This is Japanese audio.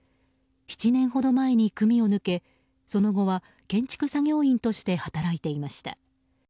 ７年ほど前に組を抜けその後は建築作業員として働いていました。